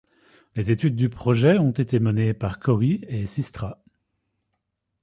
Les études du projet ont été menées par Cowi et Systra.